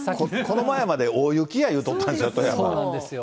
この前まで大雪や言うとったでしょ、そうなんですよ。